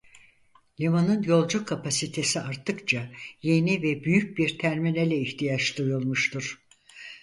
Limanın yolcu kapasitesi artıkça yeni ve büyük bir terminale ihtiyaç duyulmuştur.